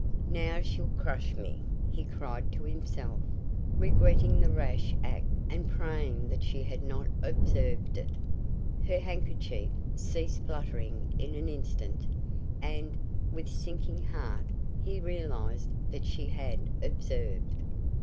"Now she'll crush me," he cried to himself, regretting the rash act and praying that she had not observed it. Her handkerchief ceased fluttering in an instant, and, with sinking heart, he realized that she had observed.